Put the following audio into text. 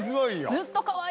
ずっとかわいい。